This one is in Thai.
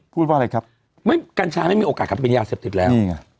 พูดว่าอะไรครับไม่กัญชาไม่มีโอกาสกลับไปเป็นยาเสพติดแล้วนี่ไง